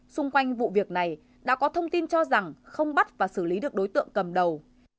xung quanh vụ việc này đã có thông tin cho rằng không bắt và xử lý được đối tượng cầm đầu